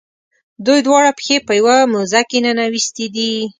دوی دواړه پښې په یوه موزه کې ننویستي دي.